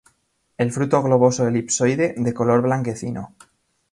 El fruto globoso-elipsoide, de color blanquecino.